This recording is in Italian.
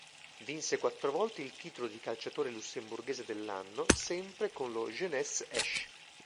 Vinse quattro volte il titolo di Calciatore lussemburghese dell'anno, sempre con lo Jeunesse Esch.